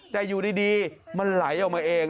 แต่อยู่ดีมันไหลออกมาเอง